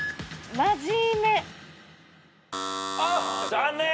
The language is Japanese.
残念。